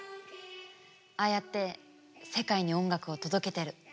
ああやって世界に音楽を届けてる。